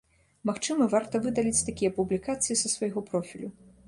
Магчыма, варта выдаліць такія публікацыі са свайго профілю.